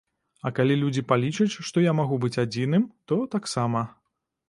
А калі людзі палічаць, што я магу быць адзіным, то таксама.